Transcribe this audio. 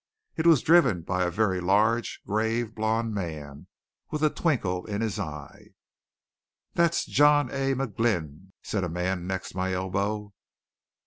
It was driven by a very large, grave, blond man with a twinkle in his eye. "That's John A. McGlynn," said a man next my elbow.